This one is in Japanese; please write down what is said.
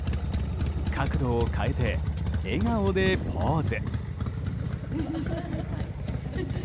角度を変えて、笑顔でポーズ！